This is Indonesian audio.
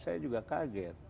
saya juga kaget